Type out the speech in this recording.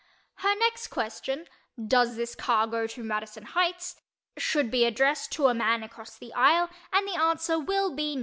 Her next question—"Does this car go to Madison Heights?"—should be addressed to a man across the aisle, and the answer will be "No."